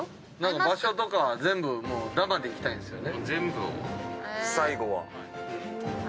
場所とか全部生でいきたいんですよね？